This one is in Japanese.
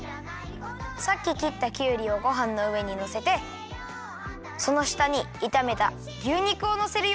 さっききったきゅうりをごはんのうえにのせてそのしたにいためた牛肉をのせるよ。